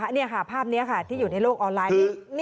นี่ค่ะภาพนี้ค่ะที่อยู่ในโลกออนไลน์